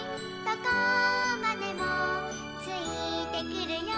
どこまでもついてくるよ」